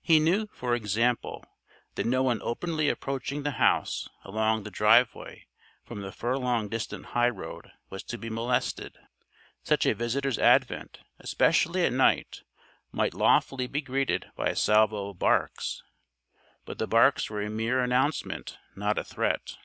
He knew, for example, that no one openly approaching the house along the driveway from the furlong distant highroad was to be molested. Such a visitor's advent especially at night might lawfully be greeted by a salvo of barks. But the barks were a mere announcement, not a threat.